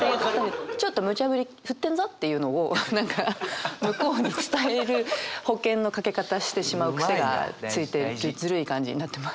ちょっとむちゃ振り振ってんぞっていうのを何か向こうに伝える保険のかけ方してしまう癖がついてずるい感じになってます。